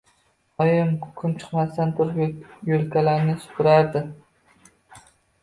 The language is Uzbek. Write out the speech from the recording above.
Oyim kun chiqmasdan turib yo‘lkalarni supurardi.